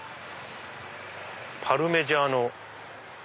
「パルメジャーノ」。